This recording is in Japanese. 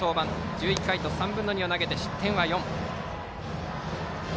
１１回と３分の２を投げて失点は４。